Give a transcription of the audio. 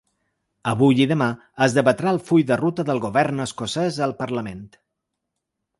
Avui i demà es debatrà el full de ruta del govern escocès al parlament.